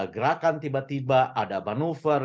gerakan tiba tiba ada manuver